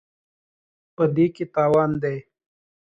په دې کې تاوان دی.